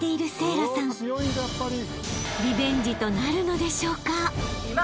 ［リベンジとなるのでしょうか］